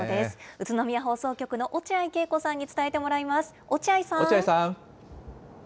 宇都宮放送局の落合慶子さんに伝えてもらいます。